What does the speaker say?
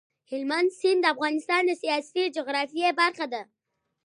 هلمند سیند د افغانستان د سیاسي جغرافیې برخه ده.